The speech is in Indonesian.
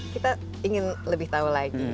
kita ingin lebih tahu lagi